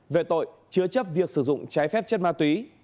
về tội chứa chấp việc sử dụng trái phép chất ma túy